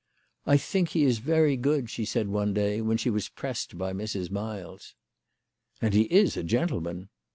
" I think he is very good," she said one day, when she was pressed by Mrs. Miles. "And he is a gentleman."